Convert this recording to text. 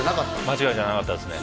間違いじゃなかったですね